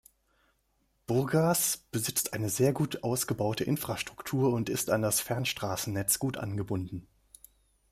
Burgas besitzt eine sehr gut ausgebaute Infrastruktur und ist an das Fernstraßennetz gut angebunden.